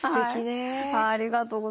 ありがとうございます。